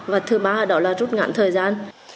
và thứ ba là rút ngắn